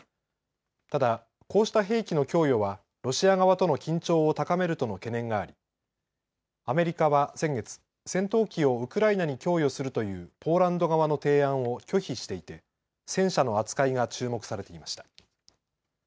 ただ、こうした兵器の供与はロシア側との緊張を高めるとの懸念がありアメリカは先月、戦闘機をウクライナに供与するというポーランド側の提案を拒否していて戦車の扱いが注目されていました。